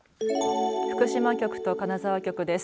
福島局と金沢局です。